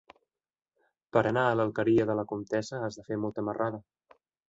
Per anar a l'Alqueria de la Comtessa has de fer molta marrada.